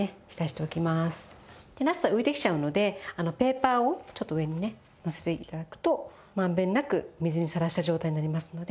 でなすは浮いてきちゃうのでペーパーをちょっと上にねのせて頂くとまんべんなく水にさらした状態になりますので。